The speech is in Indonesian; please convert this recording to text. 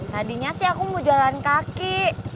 tadinya sih aku mau jalan kaki